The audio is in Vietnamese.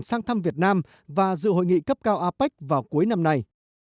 sang thăm việt nam và dự hội nghị cấp cao apec vào cuối năm nay